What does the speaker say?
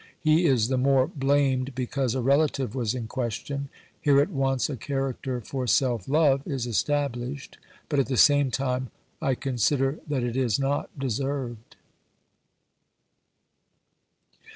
He is the more blamed because a relative was in question. Here at once a character for self love is established, but at the same time I consider that it is not deserved.